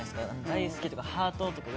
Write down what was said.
大好きとかハートとか。